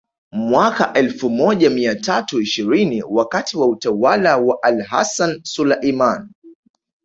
Mwaka elfu moja mia tatu ishirini wakati wa utawala wa AlHassan Sulaiman